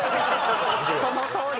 そのとおり。